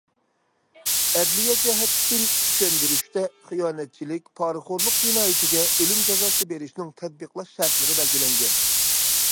ئەدلىيە جەھەتتىن چۈشەندۈرۈشتە خىيانەتچىلىك، پارىخورلۇق جىنايىتىگە ئۆلۈم جازاسى بېرىشنىڭ تەتبىقلاش شەرتلىرى بەلگىلەنگەن.